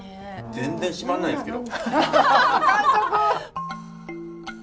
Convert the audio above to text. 全然シマんないですけど。